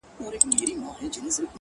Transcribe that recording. د ژوندون ساه او مسيحا وړي څوك!